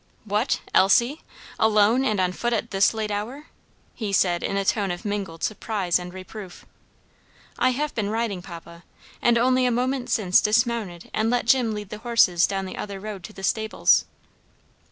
"What, Elsie! alone and on foot at this late hour?" he said in a tone of mingled surprise and reproof. "I have been riding, papa, and only a moment since dismounted and let Jim lead the horses down the other road to the stables."